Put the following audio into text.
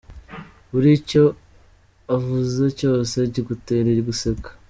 Buri icyo avuze cyose kigutera guseka.